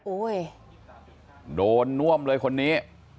โอ้ยโดนน่วมเลยคนนี้